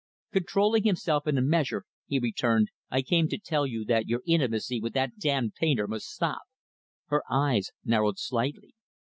Controlling himself, in a measure, he returned, "I came to tell you that your intimacy with that damned painter must stop." Her eyes narrowed slightly.